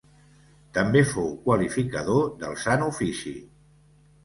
També fou qualificador del Sant Ofici.